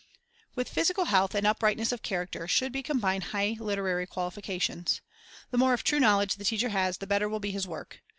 With physical health and uprightness of character should be combined high literary qualifications. The more of true knowledge the teacher has, the better will be his work.